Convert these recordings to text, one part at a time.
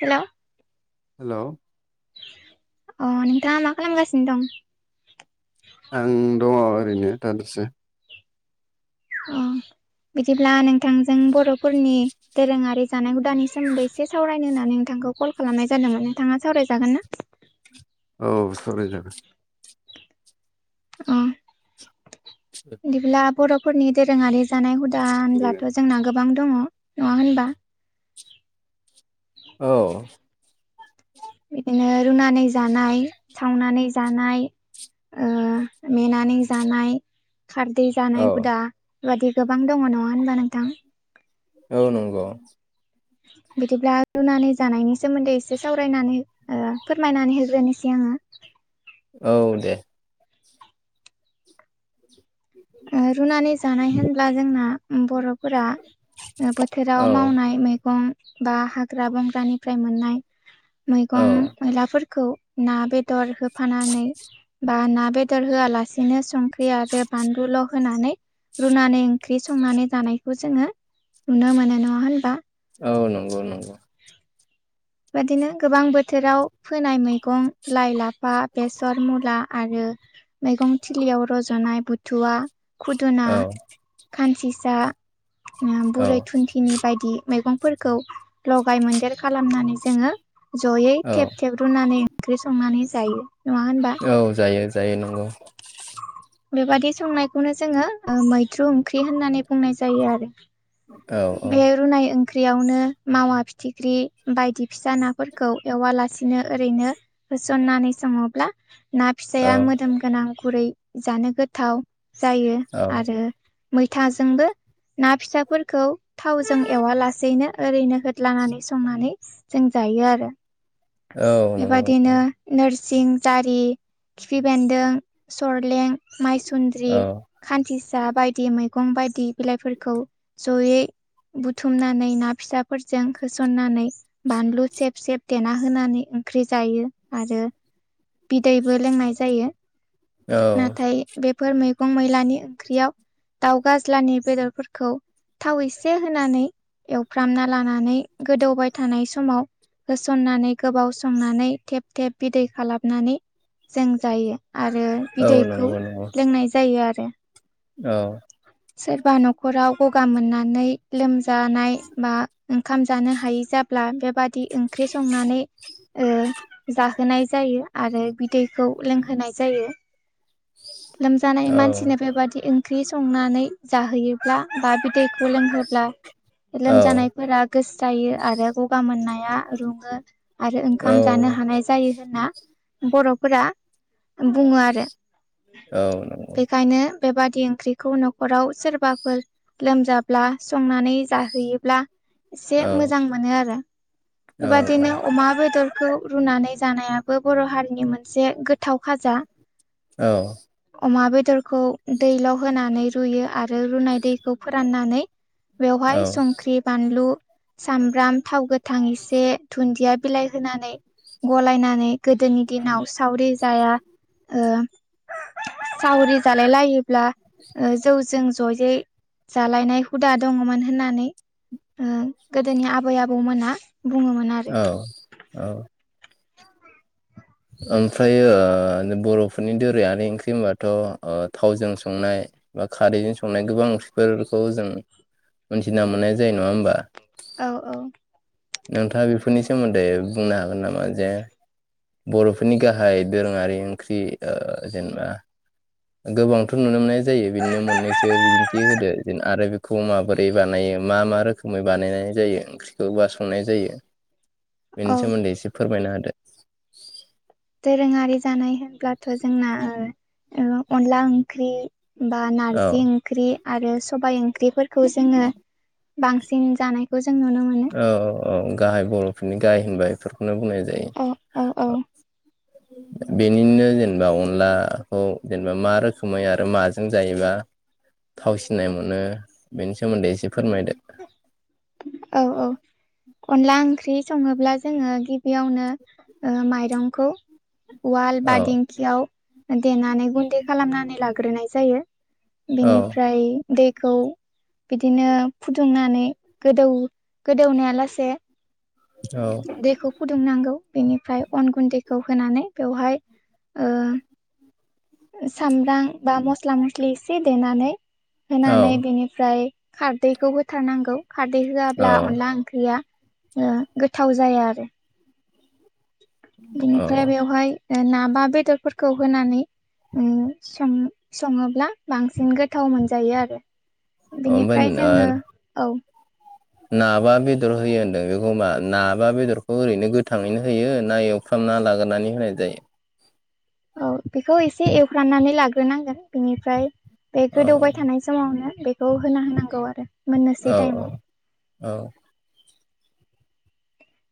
Hello hello अ नोंथाङा मा खालामगासिनो दं आं दङ ओरैनो दादसे अ बिदिब्ला नोंथांजों बर'फोरनि दोरोङारि जानाय हुदानि सोमोन्दै एसे सावरायनो होन्नानै नोंथांखौ कल खालामनाय जादोंमोन नोंथाङा सावरायजागोन ना औ सावराय जागोन अ बिदिब्ला बर'फोरनि दोरोङारि जानाय हुदा होनब्लाथ' जोंना गोबां दङ नङा होनबा औ बिदिनो रुनानै जानाय सावनानै जानाय ओ मेनानै जानाय खारदै जानाय औ हुदा बे बादि गोबां दङ नङा होनबा नोंथां औ नंगौ बिदिब्ला रुनानै जानायनि सोमोन्दै एसे सावरायनानै ओ फोरमायनानै हग्रोनोसै आङो औ दे रुनानै जानाय होनब्ला जोंना बर'फोरा बोथोराव औ मावनाय मैगं बा हाग्रा बंग्रानिफ्राय मोननाय औ मैगं मैलाफोरखौ ना बेदर होफानानै बा ना बेदर होआलासिनो सं बे आ बान ज' होनानै रुनानै ओंख्रि संनानै जानायखौ जोङो नुनो मोनो नङा होनबा औ नंगौ नंगौ बेादिनो गोबां बोथोराव फोनाय मैगं लाइ लाफा बेसर मुला आरो मैगं थिलियाव रज'नाय बुथुवा खुदुना औ खानसिसा ओ औ बुरै थुन्थिनि बायदि मैगंफोरखौ लगाय मोनदेर खालामनानै जोङो जयै औ थेब थेब रुनानै ओंख्रि संनानै जायो नङा होनबा औ जायो जायो नंगौ बेबादि संनायखौनो जोंङो ओ मैद्रु ओंख्रि होननानै बुंनाय जायो आरो औ औ बे रुनाय ओं फिख्रियावनो मावा फिथिख्रि बायदि फिसा नाफोरखौ एवालासिनो ओरैनो होसननानै सङोब्ला ना औ फिसाया मोदोम गोनां गुरै जानो गोथाव जायो औ आरो मैथाजोंबो ना फिसाफोरखौ थावजों एवा लासेैनो ओरैनो होदलानानै संनानै जों जायो आरो औ नंगौ बेबादिनो नंगौ नोरसिं जारि खिफि बेन्दों सरलें माइसुन्द्रि औ खान्थिसा बायदि मैगं बायदि बिलाइफोरखौ जयै बुथुमनानै ना फिसाफोरजों होसननानै बानलु सेब सेब देना होनानै ओंख्रि जायो आरो बिदैबो लोंनाय जायो औ नाथाय बेफोर मैगं मैलानि ओंख्रियाव दाउ गाज्लानि बेदरफोरखौ थावै एसे होनानै एवफ्रामना लानानै गोदौबाय थानाय समाव होसननानै गोबाव संनानै थेब थेब बिदै खालामनानै जों जायो आरो औ बिदैखौ नंगौ नंगौ लोंनाय जायो आरो औ सोरबा न'खराव गगा मोननानै लोमजानाय बा ओंखाम जानो हायै जाब्ला बेबादि ओंख्रि संनानै ओ जा होनाय जायो आरो बिदैखौ लोंहोनाय जायो लोमजानाय औ मानसिनो बेबादि ओंख्रि संनानै जाहैयोब्ला बा बिदैखौ लों ब्ला औ लोमजानायफोरा गोस जायो आरो गगा मोननाया रुङो आरो औ ओंखाम जानो हानाय जायो होनना बर'फोरा बुंङो आरो नंगौ बेखायनो बेबादि ओंख्रिखौ न'खराव सोरबाफोर लोमजाब्ला संनानै जाहोयोब्ला एसे औ मोजां मोनो आरो औ बेबादिनो अमा बेदर खौ रुनानै जानायाबो बर' हारिनि मोनसे गोथाव खाजा औ अमा बेदरखौ दैल' होनानै रुयो आरो रुनाय दैखौ फोराननानै बेवहाय संख्रि बानलु सामब्राम थाव गोथां एसे दुन्दिया बिलाइ होनानै गलायनानै गोदोनि दिनाव सावरि जाया ओ सावरि जालायलायो ब्ला जौजों ज'यै जालायनाय हुदा दंङ'मोन होननानै ओ गोदोनि आबै आबौमोना बुङोमोन आ औ औ ओमफ्राय ओ बर'फोरनि दोरोंङारि ओंख्रि होनबाथ' थावजों संनाय बा खारैजों संनाय गोबां ओंख्रिफोरखौ जों मोनथिना मोननाय जायो नङा होमबा औ औ नोंथांङा बेफोरनि सोमोन्दै बुंनो हागोन नामा जे बर'फोरनि गाहाय दोरोंङारि ओंख्रि ओ जेनेबा गोबांथ' नुनो मोननाय जायो बिनिनो मोननैसो बिदिन्थि होदो आरो खौ माबोरै बानायो मा मा रोखोमै बानायनाय जायो ओंख्रिखौ बा संनाय जायो। औ बेनि सोमोन्दै एसे फोरमायना होदो। दोंरोङारि जानाय होनब्लाथ' जोंना ओ अनला ओंख्रि बा औ नार्जि ओं- ख्रि आरो सबाय ओंख्रिफोरखौ जोंङो बांसिन जानायखौ जों नुनो मोनो औ औ औ गाहाय बर'फोरनि गाहाय होनबाय बेफोर नो बुंनाय औ औ औ जायो बेनिनो जेनब- जेनबा अनलाखौ जेनेबा मा रोखोमै आरो माजों जायोबा थाव सिननाय मोनो बेनि सोमोन्दै एसे फोरमायदो। औ औ अनला ओंख्रि संङोब्ला जोङो गिबियावनो ओ माइरंखौ उवाल बा औ दिंखियाव देनानै गुन्दै खालामनानै लाग्रोनाय जायो औ बिनिफ्राय दैखौ बिदिनो फुदुंनानै गोदौ गोदौनाया लासे औ दैखौ फुदुंनांगौ बेनिफ्राय अन गुन्दैखौ होनानै बेवहाय ओ सामब्राम बा मस्ला मस्लि एसे देनानै औ होनानै बेनिफ्राय खारदैखौ होथारनांगौ खारदै औ होआब्ला अनला ओंख्रिया गोथाव जाया आरो औ बेनिफ्राय बेवहाय ना बा बेदरफोरखौ होनानै सं संङोब्ला बांसिन गोथाव मोनजायो आरो ओमफ्राय बिनिफ्राय जोंङो औ ना बा बेदर होयो होनदों बेखौ मा ना बा बेदरखौ ओरैनो गोथाङैनो होयो ना एव खांना लाग्रानै होनाय जायो? औ बेखौ एसे एवफ्राननानै लाग्रोनांगोन बेनिफ्राय बे औ गोदौबाय थानाय समावनो बेखौ होना होनांगौ आरो। मोननोसै औ औ टाइमाव औ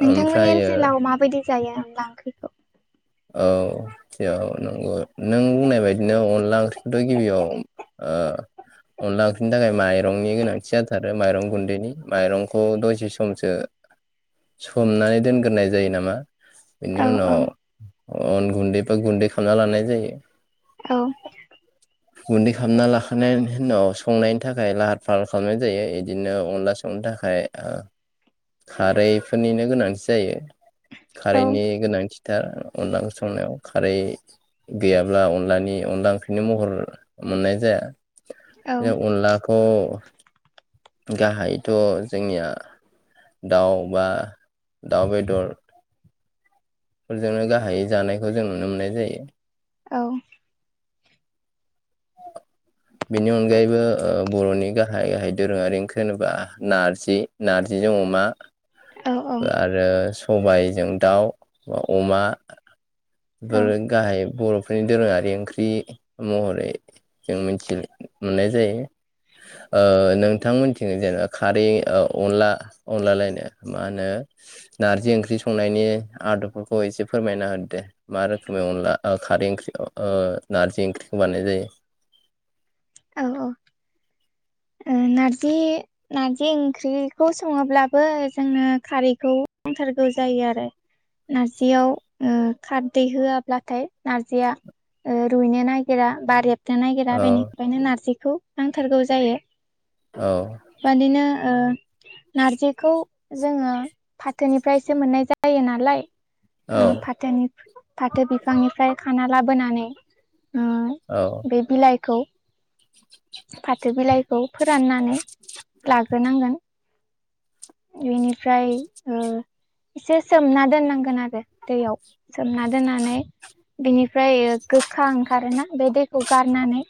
नोंथांमोननि ओमफ्रायो ओनसोलाव माबायदि जायो अनला ओंख्रिखौ? औ इयाव नंगौ नों बुंनाय बायदिनो अनला ओंख्रिखौथ' गिबियाव [unintelligible] अनला ओंख्रिनि थाखाय माइरंनि गोनांथि जाथारो माइरं गुन्दैनि माइरंखौ दसे समसो [unintelligible] सोमनानै दोनग्रोनाय जायो नामा औ बेनि औ उनाव अन गुन्दै बा गुन्दै खालामना लानाय जायो औ गुन्दै खालामना लाखांनायनि उनाव संनायनि थाखाय लाहार फाहार खालामनाय जायो बिदिनो अनला संनो थाखाय खारैफोरनिनो गोनांथि जायो खारैनि गोनांथि थार [unintelligible] अनदलासंनायाव खारै गैयाब्ला अनलानि अनला ओंख्रिनि महर मोननाय औ जाया अनलाखौ गाहायथ' जोंनिया दाउ बा दाउ बेदर फोरजोंनो गाहायै जानायखौ जों नुनो मोननाय जायो औ बेनि अनगायैबो ओ बर'नि गाहाय गाहाय दोरोङारि ओंख्रि होनोब्ला नारजि नार्जिजों अमा औ आरो सबायजों दाउ बा अमा औ बेफोरो औ गाहाय बर'फोरनि दोरोङारि ओंख्रि महरै जों मि [unintelligible] मोननाय जायो ओ नोंथां मोननिथिं जेनेबा खारै अनला अनलालायनो मा होनो नारजि ओंख्रि संनायनि आदबफोरखौ एसे फोरमायना होदोदे मा रोखोमै अनला खारै ओंख्रि नारजि ओंख्रिखौ बानायनाय जायो औ औ नारजि नारजि ओंख्रिखौ सङोब्लाबो जोङो खारैखौ नंथारगौ जायो आरो नार्जियाव खारदै होआब्लाथाय नार्जिया ओ‌रुइनो नागिरा बा रेबनो नागिरा औ बेनिफ्रायनो नारजिखौ नांथारगौ जायो औ बादिनो नारजिखौ जोङो फाथोनिफ्रायसो मोननाय जायो नालाय औ ओ‌ फाथोनि फाथो बिफांनिफ्राय खाना लाबोनानै ओ औ बे बिलाइखौ फाथो बिलाइखौ फोराननानै लाग बेखौ नांगोन बेनिफ्राय एसे सोमना दोननांगोन आरो दैयाव सोमना दोननानै बिनिफ्राय ओ गोखा ओंखारोना बे दैखौ गारनानै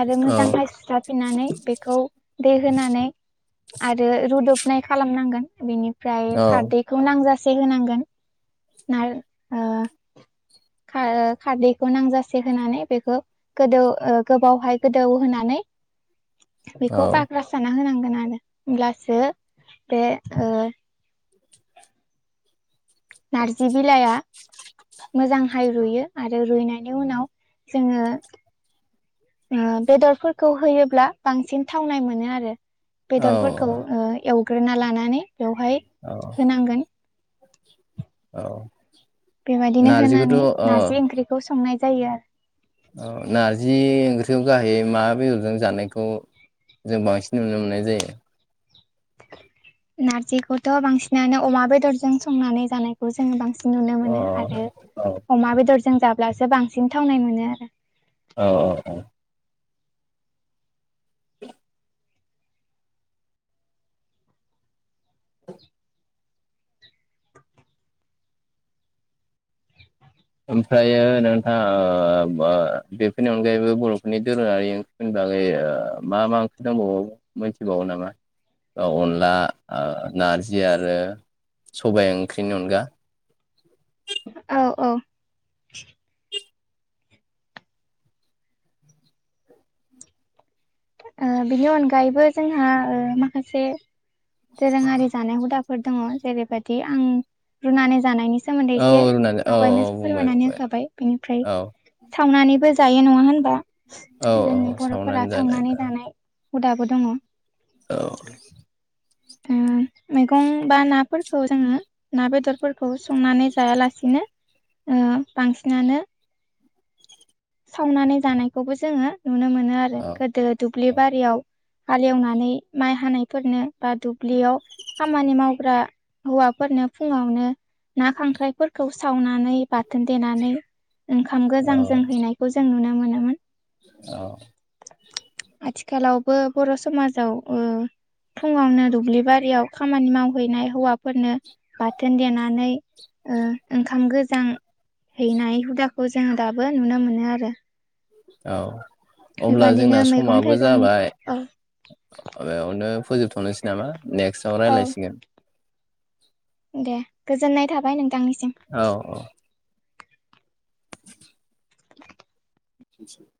आरो मोजांहाय सुसराफिननानै बे खौ दै होनानै आरो रुदबनाय खालामनांगोन बेनि ओमफ्राय खारदैखौ नांजासे होनांगोन नार ओ खारद खारदैखौ नांजासे होनानै बेखौ गोदौ गोबावहाय गोदौ होनानै बेखौ औ फाक्रास साना होनांगोन आरो होमब्लासो बे नार्जि बिलाइआ मोजांहाय रुयो आरो रुइनायनि उनाव जोङो बेदरफोरखौ होयोब्ला बांसिन थावनाय मोनो आरो औ बेदरफोरखौ एवग्रोना लानानै बेवहाय औ होनांगोन औ बेबायदिनो नारजिखौथ' होनानै अ नारजि ओंख्रिखौ संनाय जायो आरो औ नारजि ओंख्रियाव गाहाय मा बेदरजों जानायखौ जों बांसिन नुनो मोननाय जायो नारजिखौथ' बांसिनानो अमा बेदरजों संनानै जानायखौ जोो बांसिन नुनो अ मोनो आरो औ अमा बेदरजों जाब्लासो बांसिन थावनाय मोनो आरो औ औ औ ओमफ्रायो नोंथाङा बेफोरनि अनगायैबो बर'फोरनि दोरोङारि ओं होनबाङै मा मा ओंख्रि दंबावो मिथिबावो नामा अनला नारजि आरो सबाइ ओंख्रिनि अनगा औ औ बिनि अनगायैबो जोंहा माखासे दोरोङारि जानाय हुदा फोर दङ जेरैबायदि आं रुनानै जानायनि सोमोन्दै औ एसे रुनानै औ औ आगायनो बुंबाय फोरमायनानै बुंबाय होखाबाय बेनिफ्राय औ सावनानैबो जायो नङा होनबा औ जोंनि औ सावनानै बर'फोरा सावनानै जानो जानाय हुदाबो दङ औ ओ मैगं बा नाफोरखौ जोङो ना बेदरफोरखौ संनानै जायालासिनो ओ बांसिनानो सावनानै जानायखौबो जोङो नुनो मोनो आरो औ गोदो दुब्लि बारियाव हालेवनानै माइ हानायफोरनो बा दुब्लियाव खामानि मावग्रा हौवाफोरनो फुङावनो ना खांख्राइफोरखौ सावनानै बाथोन देनानै ओंखाम औ गोजां जों हैनायखौ जों नुनो मोनोमोन औ आथिखालावबो बर' समाजाव ओ फुंङावनो दुब्लि बारियाव खामानि मावहैनाय हौवाफोरनो बाथोन देनानै ओंखाम ओ गोजां हैनाय हुदाखौ जों दाबो नुनो मोनो आरो औ अब्ला बेबादिनो जोंना मैगं समाबो थाइगंनि जाबाय औ बेयावनो फोजोबथ'नोसै नामा नेक्स्टआव औ रायज्लायसिगोन दे गोजोननाय थाबाय नोंथांनिसिम औ औ [inaudible] एनोसै